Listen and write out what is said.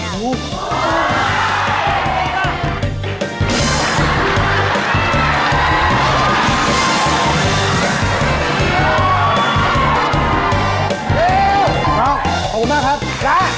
น้องขอบคุณมากครับ